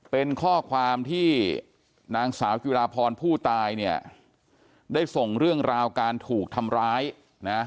เป็นข้อความที่นางสาวจิราพรผู้ตายเนี่ยได้ส่งเรื่องราวการถูกทำร้ายนะ